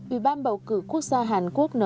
ủy ban bầu cử quốc gia hàn quốc cho biết